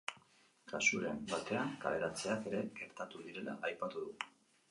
Kasuren batean, kaleratzeak ere gertatu direla aipatu du.